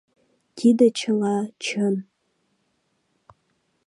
— Тиде чыла чын.